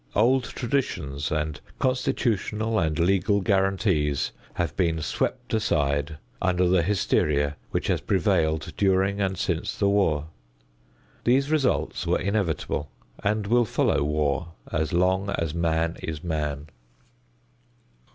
Old traditions and constitutional and legal guarantees have been swept aside under the hysteria which has prevailed during and since the war. These results were inevitable and will follow war as long as man is man.